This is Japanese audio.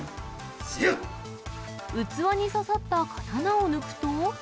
器に刺さった刀を抜くと。